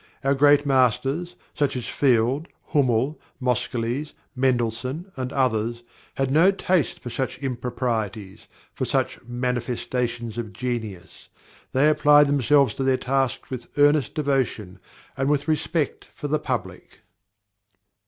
Our great masters, such as Field, Hummel, Moscheles, Mendelssohn, and others, had no taste for such improprieties, for such manifestations of genius. They applied themselves to their task with earnest devotion, and with respect for the public.